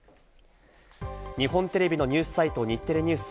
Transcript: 日本テレビのニュースサイト日テレＮＥＷＳ。